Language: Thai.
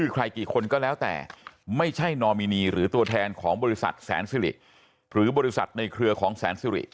ใครกี่คนก็แล้วแต่ไม่ใช่นอมินีหรือตัวแทนของบริษัทแสนสิริหรือบริษัทในเครือของแสนสิริ